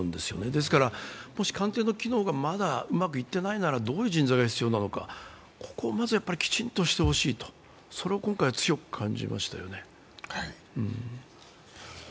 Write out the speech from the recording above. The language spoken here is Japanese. ですから、もし官邸の機能がまだうまくいっていないならどういう人材が必要なのか、ここをまずきちんとしてほしい、それを今回強く感じました。